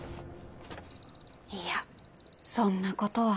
いやそんなことは。